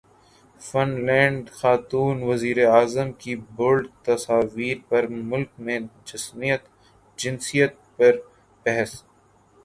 fun land خاتون وزیراعظم کی بولڈ تصاویر پر ملک میں جنسیت پر بحث